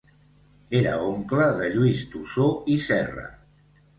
Era oncle de Lluís d'Ossó i Serra.